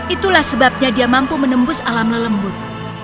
itulah sebabnya dia mampu menembus alam lembut